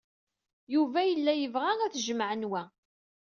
Yuba yella yebɣa ad tjemɛem wa.